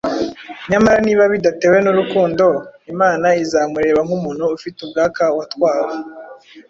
nyamara niba bidatewe n’urukundo, imana izamureba nk’umuntu ufite ubwaka watwawe